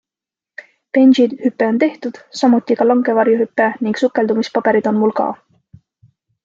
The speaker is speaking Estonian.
Benji-hüpe on tehtud, samuti ka langevarjuhüpe ning sukeldumispaberid on mul ka.